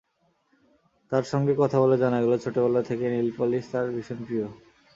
তাঁর সঙ্গে কথা বলে জানা গেল, ছোটবেলা থেকেই নেইলপলিশ তাঁর ভীষণ প্রিয়।